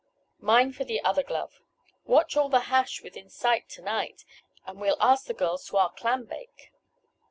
Mine for the other glove. Watch all the hash within sight to night, and we'll ask the girls to our clam bake."